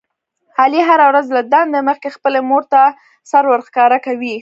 علي هره ورځ له دندې مخکې خپلې مورته سر ورښکاره کوي.